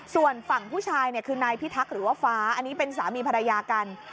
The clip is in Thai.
ส่วนฝั่งผู้ชายเนี่ยคือนายพิทักษ์หรือว่าฟ้าอันนี้เป็นสามีภรรยากัน